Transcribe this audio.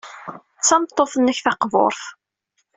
D tameṭṭut-nnek d taqburt.